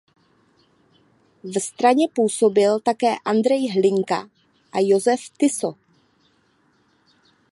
V straně působili také Andrej Hlinka a Jozef Tiso.